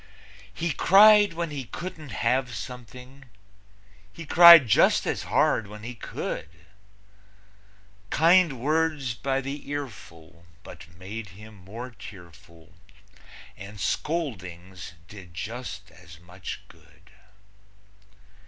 He cried when he couldn't have something; He cried just as hard when he could; Kind words by the earful but made him more tearful, And scoldings did just as much good.